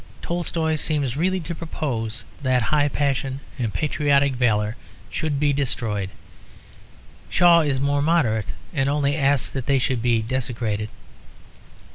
Tolstoy seems really to propose that high passion and patriotic valour should be destroyed. Shaw is more moderate; and only asks that they should be desecrated.